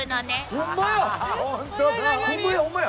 ほんまや！